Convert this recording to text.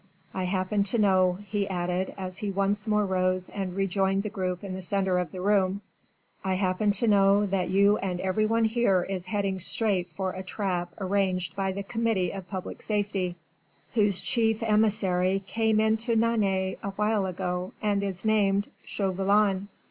I happen to know," he added, as he once more rose and rejoined the group in the centre of the room, "I happen to know that you and every one here is heading straight for a trap arranged by the Committee of Public Safety, whose chief emissary came into Nantes awhile ago and is named Chauvelin.